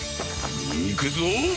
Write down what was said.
いくぞ！